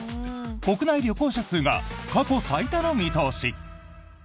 国内旅行者数が過去最多の見通し。